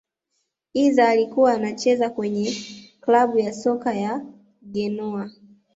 eazza alikuwa anacheza kwenye klabu ya soka ya genoa